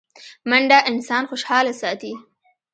منډه انسان خوشحاله ساتي